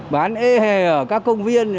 bán ê hè ở các công viên